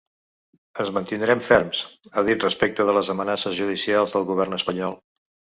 Ens mantindrem ferms, ha dit respecte de les amenaces judicials del govern espanyol.